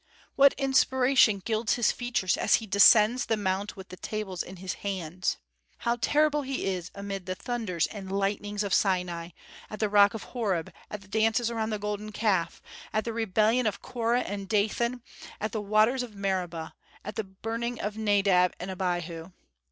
What inspiration gilds his features as he descends the Mount with the Tables in his hands! How terrible he is amid the thunders and lightnings of Sinai, at the rock of Horeb, at the dances around the golden calf, at the rebellion of Korah and Dathan, at the waters of Meribah, at the burning of Nadab and Abihu!